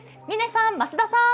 嶺さん、増田さん。